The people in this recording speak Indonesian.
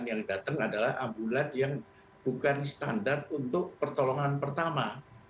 yang datang adalah ambulan yang bukan standar untuk pertolongan pertama